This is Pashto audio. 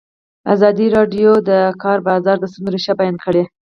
ازادي راډیو د د کار بازار د ستونزو رېښه بیان کړې.